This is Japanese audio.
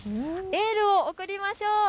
エールを送りましょう！